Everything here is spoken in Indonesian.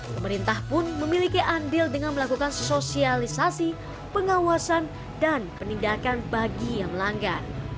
pemerintah pun memiliki andil dengan melakukan sosialisasi pengawasan dan penindakan bagi yang melanggar